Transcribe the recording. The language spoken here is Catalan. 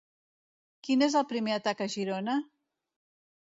Quin és el primer atac a Girona?